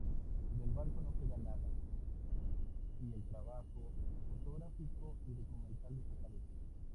Del barco no queda nada, y todo el trabajo fotográfico y documental desaparece.